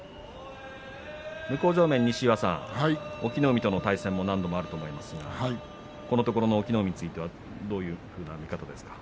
西岩さん、隠岐の海との対戦何度もありましたがこのところの隠岐の海についてはどういう見方ですか？